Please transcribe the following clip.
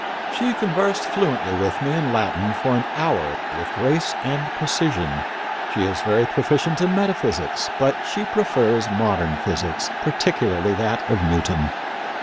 "She conversed fluently with me in Latin for an hour with grace and precision. She is very proficient in metaphysics; but she prefers modern physics, particularly that of Newton."